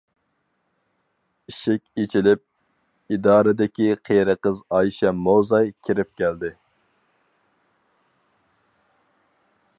ئىشىك ئېچىلىپ ئىدارىدىكى قېرى قىز ئايشەم موزاي كىرىپ كەلدى.